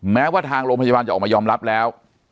แม้ว่าทางโรงพยาบาลจะออกมายอมรับแล้ว